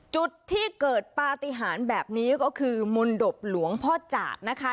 จุดที่เกิดปฏิหารแบบนี้ก็คือมนตบหลวงพ่อจาดนะคะ